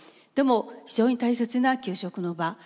でも非常に大切な給食の場。